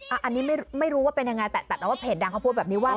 อันนี้ไม่รู้ว่าเป็นยังไงแต่แต่ว่าเพจดังเขาพูดแบบนี้ว่า